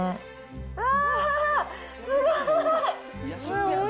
うわー、すごい！